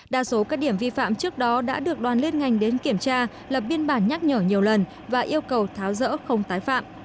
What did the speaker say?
đa số các điểm vi phạm trước đó đã được đoàn liên ngành đến kiểm tra lập biên bản nhắc nhở nhiều lần và yêu cầu tháo rỡ không tái phạm